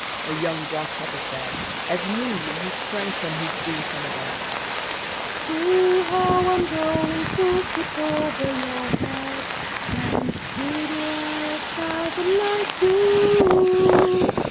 a young grasshopper said, As nimbly he sprang from his green, summer bed, "See how I'm going to skip over your head, And could o'er a thousand like you!